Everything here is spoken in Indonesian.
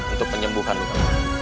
untuk penyembuhan lukaku